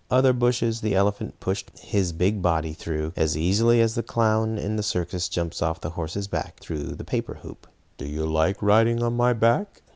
Other bushes the elephant pushed his big body through, as easily as the clown in the circus jumps off the horse's back through the paper hoop. "Do you like riding on my back?"